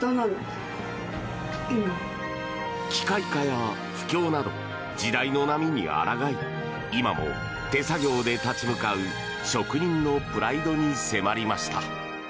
機械化や不況など時代の波にあらがい今も手作業で立ち向かう職人のプライドに迫りました。